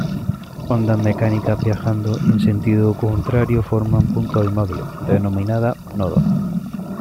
Ondas mecánicas viajando en sentido contrario forman puntos inmóviles, denominadas nodos.